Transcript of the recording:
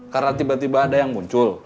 karena tiba tiba ada yang muncul